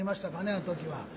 あの時は。